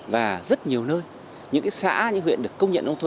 và rất nhiều nơi những cái xã những huyện được công nhận nông thôn